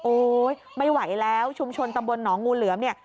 ไม่ไหวแล้วชุมชนตำบลหนองงูเหลือมเนี่ย